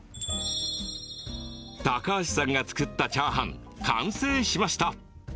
高橋さんが作ったチャーハン完成しました。